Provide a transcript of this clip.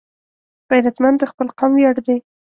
غیرتمند د خپل قوم ویاړ دی